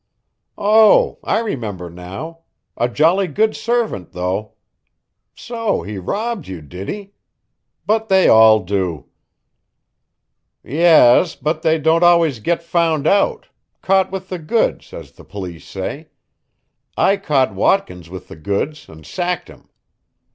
"Oh, I remember now. A jolly good servant, though. So he robbed you, did he? But they all do." "Yes, but they don't always get found out caught with the goods, as the police say. I caught Watkins with the goods and sacked him."